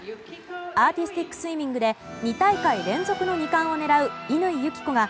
アーティスティックスイミングで２大会連続の２冠を狙う乾友紀子が